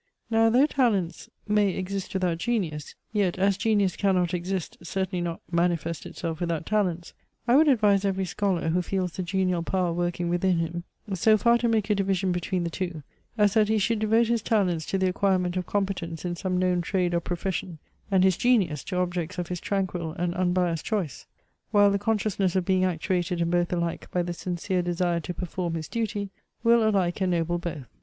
Now though talents may exist without genius, yet as genius cannot exist, certainly not manifest itself, without talents, I would advise every scholar, who feels the genial power working within him, so far to make a division between the two, as that he should devote his talents to the acquirement of competence in some known trade or profession, and his genius to objects of his tranquil and unbiassed choice; while the consciousness of being actuated in both alike by the sincere desire to perform his duty, will alike ennoble both.